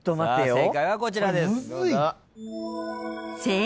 正解はこちらです。